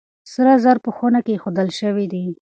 سره زر په خونه کې ايښودل شوي دي.